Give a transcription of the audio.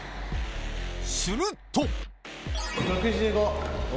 すると。